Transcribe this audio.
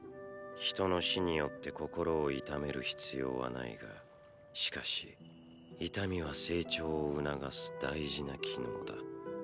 人の死によって心を痛める必要はないがしかし痛みは成長を促す大事な機能だ。